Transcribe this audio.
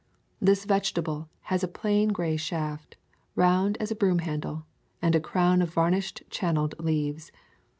This vegetable has a plain gray shaft, round as a broom handle, and a crown of varnished channeled leaves.